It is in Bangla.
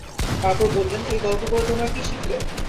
তারপর বললেন, এই গল্প পড়ে তোমরা কী শিখলে?